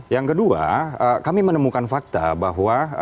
yang kedua kami menemukan fakta bahwa